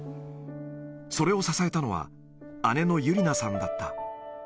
それを支えたのは、姉のゆりなさんだった。